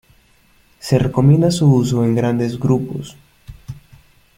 Se recomienda su uso en grandes grupos.